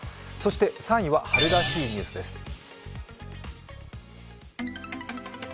そして、３位は春らしいニュースです。